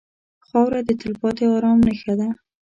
خاوره د تلپاتې ارام نښه ده.